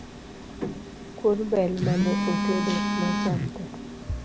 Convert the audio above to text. Kuon bel mane otedo nocham tee